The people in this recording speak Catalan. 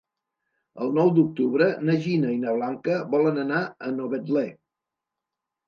El nou d'octubre na Gina i na Blanca volen anar a Novetlè.